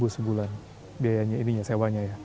tiga ratus sebulan biayanya ini ya sewanya ya